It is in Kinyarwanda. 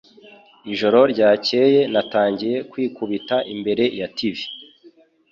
Ijoro ryakeye natangiye kwikubita imbere ya TV.